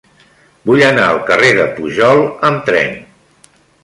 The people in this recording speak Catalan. Vull anar al carrer de Pujol amb tren.